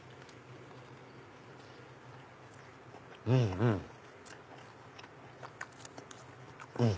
うんうん！